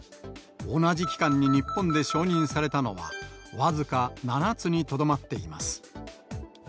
同じ期間に日本で承認されたのは、僅か７つにとどまっています。